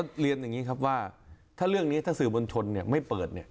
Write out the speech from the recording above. เรียนอย่างนี้ครับว่าถ้าเรื่องนี้ถ้าสื่อบนชนไม่เปิดเนี่ย